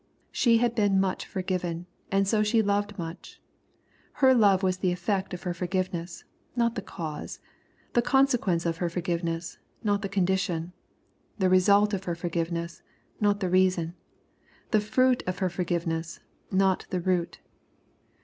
She had been much forgiven, and so she loved much. Her love was the effect of her forgiveness, — ^not the cause, — the consequence of her forgiveness, not the condition, — the result of her forgiveness, not the reason, — the fruit of her forgiveness, not the root.